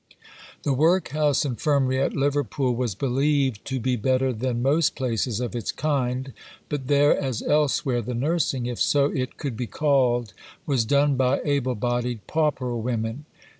The Workhouse Infirmary at Liverpool was believed to be better than most places of its kind; but there, as elsewhere, the nursing if so it could be called was done by able bodied pauper women.